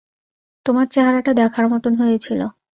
তোমার চেহারাটা দেখার মতোন হয়েছিল।